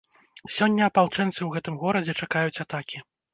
Сёння апалчэнцы ў гэтым горадзе чакаюць атакі.